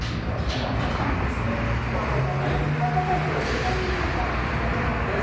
トマトの水煮カットタイプ１／２缶２００ｇです。